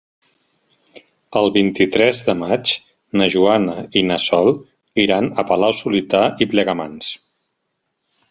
El vint-i-tres de maig na Joana i na Sol iran a Palau-solità i Plegamans.